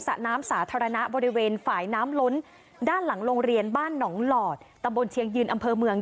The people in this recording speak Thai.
ระน้ำสาธารณะบริเวณฝ่ายน้ำล้นด้านหลังโรงเรียนบ้านหนองหลอดตำบลเชียงยืนอำเภอเมือง